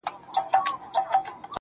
وران خو وراني كيسې نه كوي~